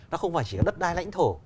nó không phải chỉ đất đai lãnh thổ